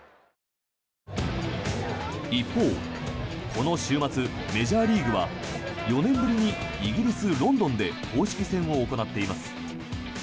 一方、この週末メジャーリーグは４年ぶりにイギリス・ロンドンで公式戦を行っています。